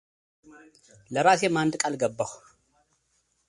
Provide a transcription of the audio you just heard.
ለራሴም አንድ ቃል ገባሁ።